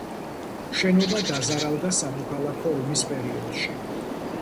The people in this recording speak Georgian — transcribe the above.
შენობა დაზარალდა სამოქალაქო ომის პერიოდში.